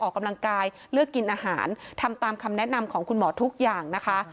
ออกกำลังกายเลือกกินอาหารทำตามคำแนะนำของคุณหมอทุกอย่างนะคะ